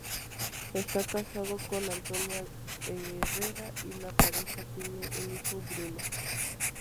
Está casado con Antonia Herrera y la pareja tiene un hijo, Bruno.